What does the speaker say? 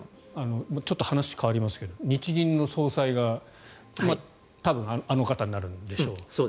ちょっと話が変わりますが日銀の総裁が多分、あの方になるんでしょう。